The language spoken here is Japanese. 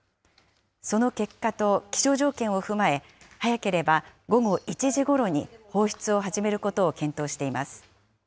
その結果と気象条件を踏まえ、早ければ午後１時ごろに放出を始めることを検討しています。